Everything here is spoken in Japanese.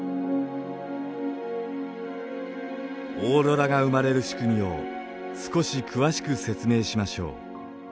オーロラが生まれる仕組みを少し詳しく説明しましょう。